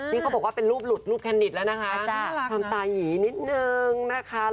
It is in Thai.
นี่เขาบอกว่าเป็นรูปหลุดแคนนี่นะคะ